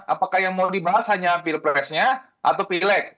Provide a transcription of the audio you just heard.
apakah yang mau dibahas hanya pilpresnya atau pileg